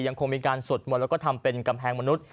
ยังคงมีการสวดมนต์แล้วก็ทำเป็นกำแพงมนุษย